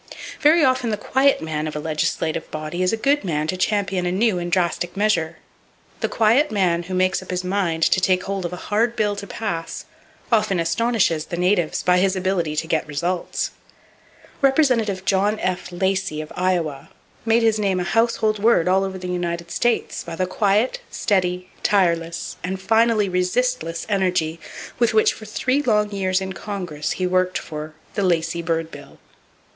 Very often the "quiet man" of a legislative body is a good man to champion a new and drastic measure. The quiet man who makes up his mind to take hold of "a hard bill to pass" often astonishes the natives by his ability to get results. Representative John F. Lacey, of Iowa, made his name a household word all over the United States by the quiet, steady, tireless and finally resistless energy with which for three long years in Congress he worked for "the Lacey bird bill."